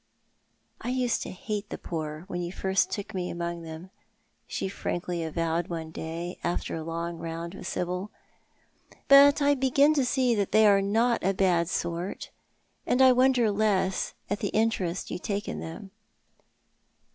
"I used to hate the jDoor when first you took me among them," she frankly avowed one day, after a long round with Sibyl, " but I begin to see that they are not a bad sort, and I wonder less at the interest you take in them."